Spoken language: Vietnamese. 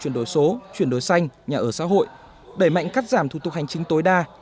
chuyển đổi số chuyển đổi xanh nhà ở xã hội đẩy mạnh cắt giảm thủ tục hành chính tối đa